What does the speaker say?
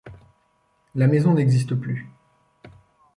La maison n'existe plus.